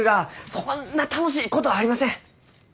そんな楽しいことありません！